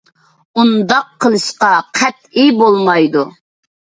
ئۇنداق قىلىشقا قەتئىي بولمايدۇ.